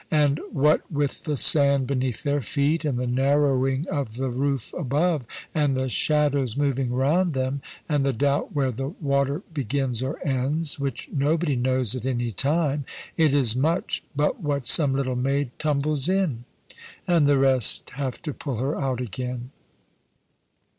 And what with the sand beneath their feet, and the narrowing of the roof above, and the shadows moving round them, and the doubt where the water begins or ends (which nobody knows at any time), it is much but what some little maid tumbles in, and the rest have to pull her out again.